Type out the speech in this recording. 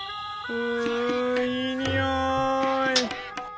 ういいにおい。